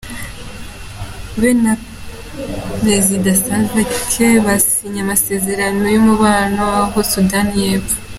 Be na Perezida Salva Kiir, basinye amasezerano y'umubano aho muri Sudani y'epfo.